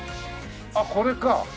あっこれか。